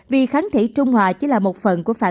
vì kháng thể trung hòa chỉ là một một